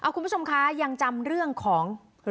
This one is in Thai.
คุณผู้ชมค่ะยังจำเรื่องของรุ๊ดได้ไหม